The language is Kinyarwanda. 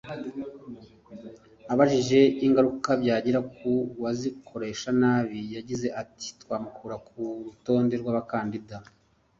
Abajijwe ingaruka byagira ku wazikoresha nabi yagize ati “ Twamukura ku rutonde rw’abakandida